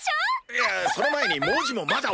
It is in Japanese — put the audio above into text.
いやその前に文字もまだ教えて。